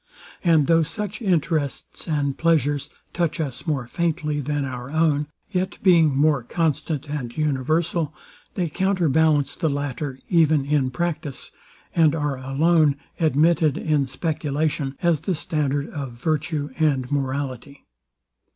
And though such interests and pleasures touch us more faintly than our own, yet being more constant and universal, they counter ballance the latter even in practice, and are alone admitted in speculation as the standard of virtue and morality.